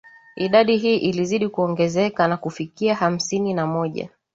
Idadi hii ilizidi kuongezeka na kufika hamsini na moja